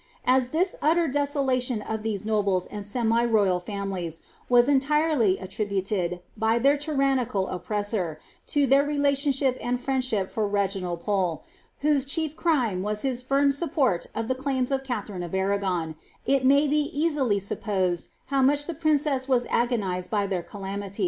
As this utter desolation of these noble and Kmi* royal families was entirely attributed, byMheir tyrannical oppressor, to ; their relationship and friendship for Hesrinald Pole, whose chiel" cnnif , was his firm support of the claims of Katharine of Arrairon, it miy ^ I easily supposed how much the princess was agonised by their r^ami ' llearuc s SyUog:. * Mi*.